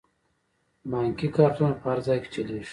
بانکي کارتونه په هر ځای کې چلیږي.